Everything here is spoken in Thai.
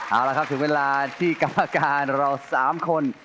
เอาละครับถึงเวลาที่กรรมการเรา๓คน